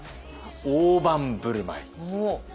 「大盤振る舞い！！」。